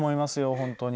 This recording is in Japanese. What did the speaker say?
本当に。